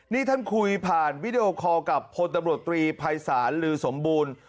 นี่ท่านคุยผ่านวิดีโอคอลกับพลตำรวจตรีภัยศาลลือสมบูรณ์